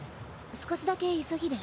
少しだけ急ぎで。